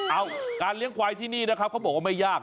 เอาการเลี้ยงควายที่นี่นะครับเขาบอกว่าไม่ยาก